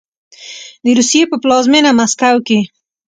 د روسیې په پلازمینه مسکو کې